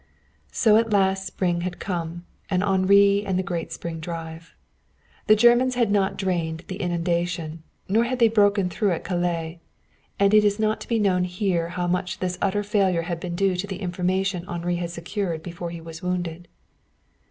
So at last spring had come, and Henri and the great spring drive. The Germans had not drained the inundation, nor had they broken through to Calais. And it is not to be known here how much this utter failure had been due to the information Henri had secured before he was wounded.